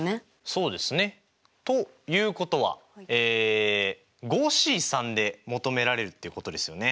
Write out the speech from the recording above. そうですね。ということはＣで求められるっていうことですよね。